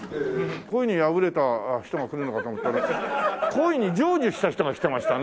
恋に破れた人が来るのかと思ったら恋に成就した人が来てましたね。